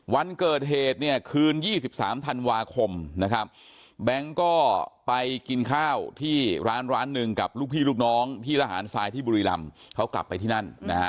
วันเกิดเหตุเนี่ยคืน๒๓ธันวาคมนะครับแบงค์ก็ไปกินข้าวที่ร้านร้านหนึ่งกับลูกพี่ลูกน้องที่ระหารทรายที่บุรีรำเขากลับไปที่นั่นนะฮะ